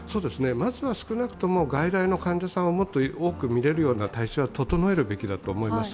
まずは少なくとも外来の患者さんをもっと多く診られるような体制は整えるべきだと思います。